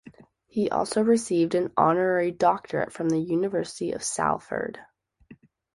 He also received an honorary doctorate from the University of Salford.